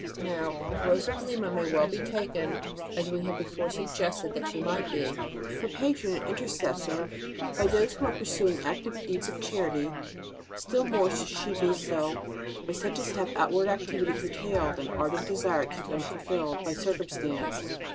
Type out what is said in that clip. Now, if Rose of Lima may well be taken, as we have before suggested that she might be, for patron and intercessor by those who are pursuing active deeds of charity, still more should she be so by such as have outward activity curtailed, and ardent desire kept unfulfilled, by circumstance.